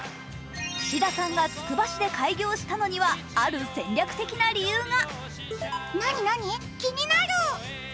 伏田さんがつくば市で開業したのには、ある戦略的な理由が。